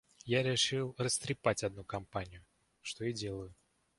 Я решил растрепать одну компанию, что и делаю.